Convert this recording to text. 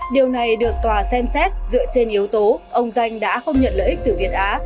điều này được tòa xem xét dựa trên yếu tố ông danh đã không nhận lợi ích từ việt á